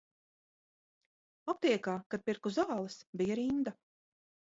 Aptiekā, kad pirku zāles, bija rinda.